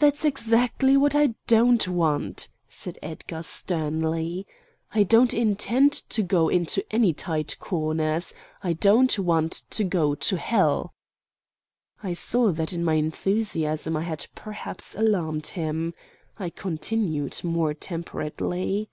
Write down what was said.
"That's exactly what I don't want," said Edgar sternly. "I don't intend to get into any tight corners. I don't want to go to hell!" I saw that in my enthusiasm I had perhaps alarmed him. I continued more temperately.